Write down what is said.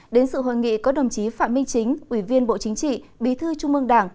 đến sự hội nghị có đồng chí phạm minh chính ủy viên bộ chính trị bí thư trung mương đảng